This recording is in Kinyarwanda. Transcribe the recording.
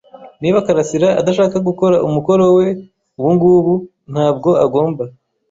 Niba karasira adashaka gukora umukoro we ubungubu, ntabwo agomba.